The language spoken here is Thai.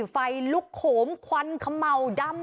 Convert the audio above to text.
ไฟลุกโขมควันขำเมาดำ